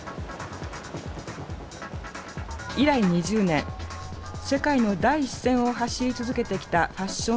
以来２０年世界の第一線を走り続けてきたファッション